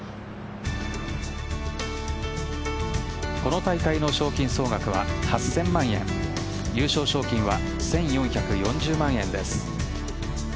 この大会の賞金総額は８０００万円優勝賞金は１４４０万円です。